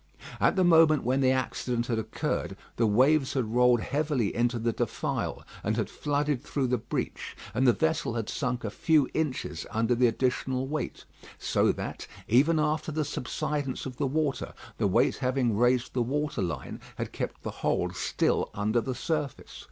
At the moment when the accident had occurred, the waves had rolled heavily into the defile, and had flooded through the breach; and the vessel had sunk a few inches under the additional weight, so that, even after the subsidence of the water, the weight having raised the water line, had kept the hole still under the surface.